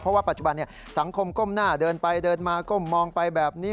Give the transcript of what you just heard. เพราะว่าปัจจุบันสังคมก้มหน้าเดินไปเดินมาก้มมองไปแบบนี้